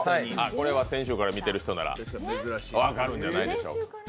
これは先週から見ている人なら分かるんじゃないでしょうか。